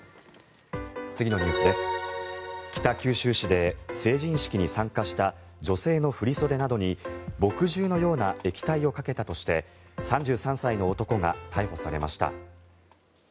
北九州市で成人式に参加した女性の振り袖などに墨汁のような液体をかけたとして３３歳の男が逮捕されました。